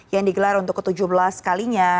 yang digelar untuk ke tujuh belas kalinya